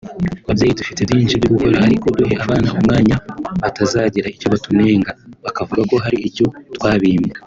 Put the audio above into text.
Babyeyi dufite byinshi byo gukora ariko niduhe abana umwanya batazagira icyo batunenga bakavuga ko hari icyo twabimye